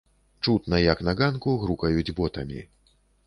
Чутна, як на ганку грукаюць ботамі.